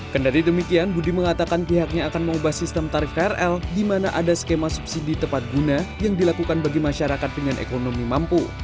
kendari demikian budi mengatakan pihaknya akan mengubah sistem tarif krl di mana ada skema subsidi tepat guna yang dilakukan bagi masyarakat dengan ekonomi mampu